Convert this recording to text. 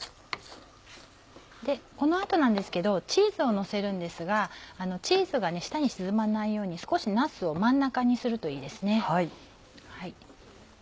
この後なんですけどチーズをのせるんですがチーズが下に沈まないように少しなすを真ん中にするといいですね。